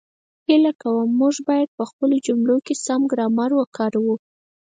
هیله کووم، موږ باید په خپلو جملو کې سم ګرامر وکاروو